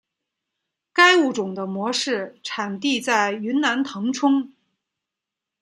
该物种的模式产地在云南腾冲。